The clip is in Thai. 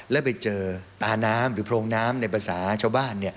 แล้วไปเจอตาน้ำหรือโพรงน้ำในภาษาชาวบ้าน